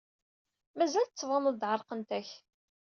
Mazal tettbaneḍ-d ɛerqent-ak.